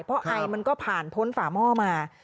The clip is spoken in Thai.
เพราะไอมันก็ผ่านพ้นฝาหม้อมา